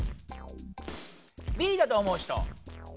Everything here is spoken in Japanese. Ｂだと思う人？